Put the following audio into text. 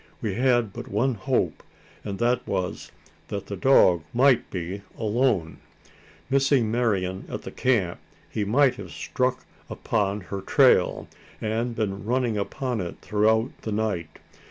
We had but one hope; and that was, that the dog might be alone. Missing Marian at the camp, he might have struck upon her trail, and been running upon it throughout the night!